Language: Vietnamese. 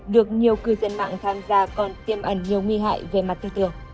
được nhiều cư dân mạng tham gia còn tiêm ẩn nhiều nguy hại về mặt tư tưởng